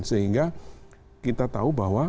sehingga kita tahu bahwa